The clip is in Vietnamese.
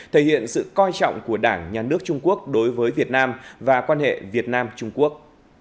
thể hiện sự coi trọng của đảng nhà nước trung quốc đối với việt nam và quan hệ việt nam trung quốc